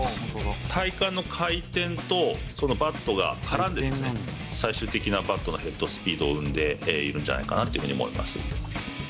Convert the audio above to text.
体幹の回転と、そのバットが絡んで、最終的なバットのヘッドスピードを生んでいるんじゃないかなっていうふうに思います。